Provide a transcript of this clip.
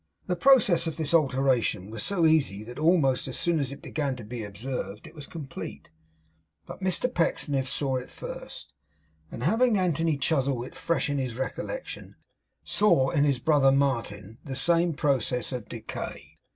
The process of this alteration was so easy that almost as soon as it began to be observed it was complete. But Mr Pecksniff saw it first, and having Anthony Chuzzlewit fresh in his recollection, saw in his brother Martin the same process of decay.